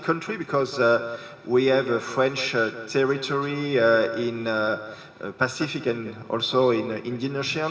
dan kita memiliki wilayah perancis di pasifik dan di indonesia